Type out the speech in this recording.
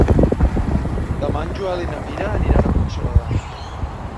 Demà en Joel i na Mira aniran a Puigcerdà.